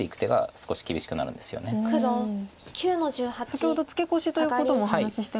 先ほどツケコシということもお話ししてましたけど。